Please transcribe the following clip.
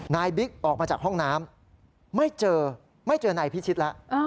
นายบิ๊กออกมาจากห้องน้ำไม่เจอนายพิชิตแล้ว